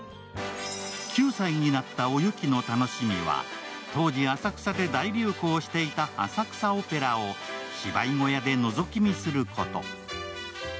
９歳になったお雪の楽しみは当時、浅草で大流行していた浅草オペラを芝居小屋で、のぞき見すること。